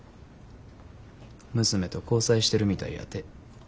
娘と交際してるみたいやて。